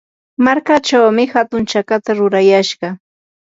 markachawmi hatun chakata rurayashqa.